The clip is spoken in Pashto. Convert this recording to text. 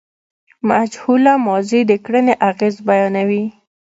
مجهوله ماضي د کړني اغېز بیانوي.